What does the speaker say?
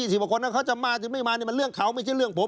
ตัวคนนั้นเขาจะมาจึงไม่มานี่มันเรื่องเขาไม่ใช่เรื่องผม